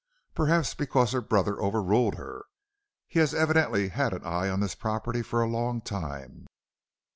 "'Perhaps because her brother overruled her; he has evidently had an eye on this property for a long time.'